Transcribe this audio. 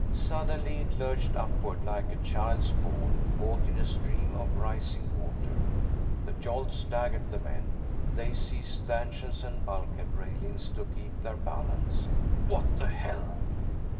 Suddenly it lurched upward, like a child's ball caught in a stream of rising water. The jolt staggered the men. They seized stanchions and bulkhead railings to keep their balance. "What the hell?"